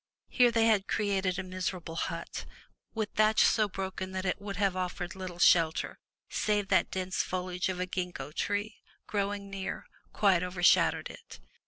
Here they had erected a miserable hut, with thatch so broken that it would have offered little shelter, save that dense foliage of a gingko tree, growing near, quite overshad owed it.